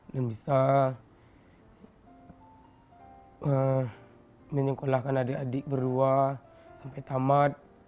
dan bisa menyekolahkan adik adik berdua sampai tamat